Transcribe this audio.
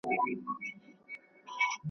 که چا په خوب کي د خوښۍ وړ حالتونه وليدل.